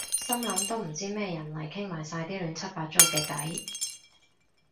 心諗都唔知咩人嚟傾埋晒啲亂七八糟嘅偈